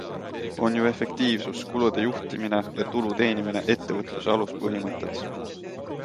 On ju efektiivsus, kulude juhtimine ja tulu teenimine ettevõtluse aluspõhimõtted.